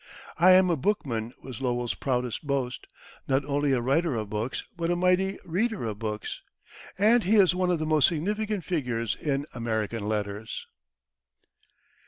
"I am a bookman," was Lowell's proudest boast not only a writer of books, but a mighty reader of books; and he is one of the most significant figures in American letters.